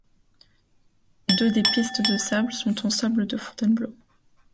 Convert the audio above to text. Deux des pistes de sable sont en sable de Fontainebleau.